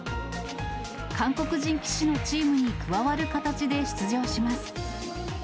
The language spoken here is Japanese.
韓国人棋士のチームに加わる形で出場します。